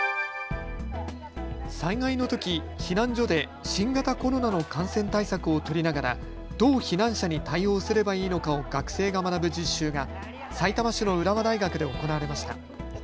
災害のとき避難所で新型コロナの感染対策を取りながらどう避難者に対応すればいいのかを学生が学ぶ実習がさいたま市の浦和大学で行われました。